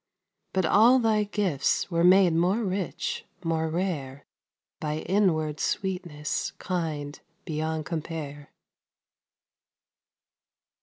But all thy gifts were made more rich, more rare, By inward sweetness kind beyond compare.